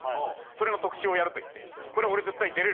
それの特集をやるといってこれは俺絶対出れると。